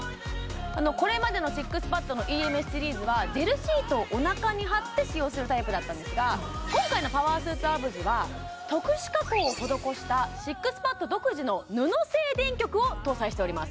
これまでのＳＩＸＰＡＤのＥＭＳシリーズはジェルシートをおなかに貼って使用するタイプだったんですが今回のパワースーツアブズは特殊加工を施したＳＩＸＰＡＤ独自の布製電極を搭載しております